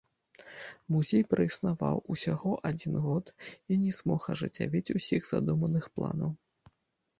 Музей праіснаваў усяго адзін год і не змог ажыццявіць ўсіх задуманых планаў.